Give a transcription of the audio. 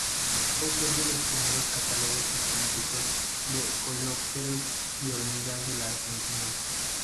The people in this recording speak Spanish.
Fue autor de los primeros catálogos sistemáticos de coleópteros y hormigas de la Argentina.